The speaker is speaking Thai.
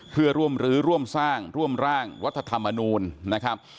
เพื่อร่วมรื้อร่วมสร้างร่วมร่างรัฐธรรมนูลนะครับ